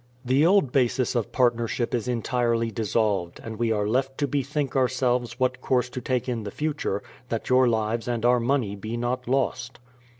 The old basis of partnership is entirely dissolved, and we are left to bethink ourselves what course to take in the future, that your lives and our money be not lost.